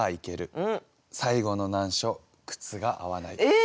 え！？